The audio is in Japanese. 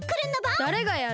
だれがやる？